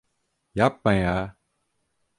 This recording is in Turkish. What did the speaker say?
Yapma ya.